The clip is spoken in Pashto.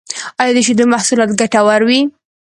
ایا د شیدو محصولات ګټور وی؟